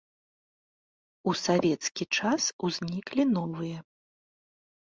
У савецкі час узніклі новыя.